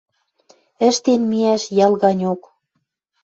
Ӹштен миӓш йӓл ганьок.